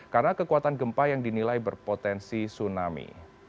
karena kekuatan gempa yang dinilai berpotensi tsunami